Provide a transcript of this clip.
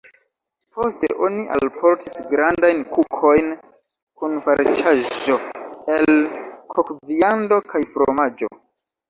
Poste oni alportis grandajn kukojn kun farĉaĵo el kokviando kaj fromaĝo.